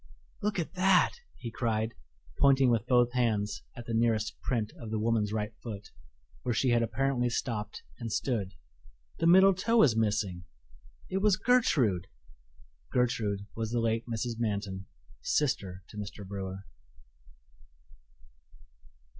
"Look at that!" he cried, pointing with both hands at the nearest print of the woman's right foot, where she had apparently stopped and stood. "The middle toe is missing it was Gertrude!" Gertrude was the late Mrs. Manton, sister to Mr. Brewer.